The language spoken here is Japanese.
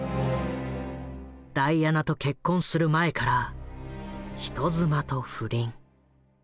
ダイアナと結婚する前から人妻と不倫。